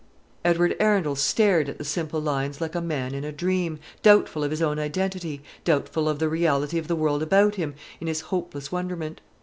Edward Arundel stared at the simple lines like a man in a dream, doubtful of his own identity, doubtful of the reality of the world about him, in his hopeless wonderment.